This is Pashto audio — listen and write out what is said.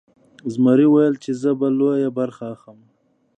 زمري ویل چې زه به لویه برخه اخلم.